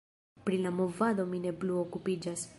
Pri la movado mi ne plu okupiĝas.